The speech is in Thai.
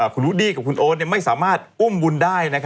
คุณวูดดี้กับคุณโอ๊ตไม่สามารถอุ้มบุญได้